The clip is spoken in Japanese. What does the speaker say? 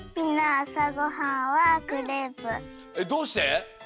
えっどうして？